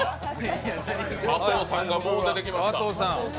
加藤さんがもう出てきました。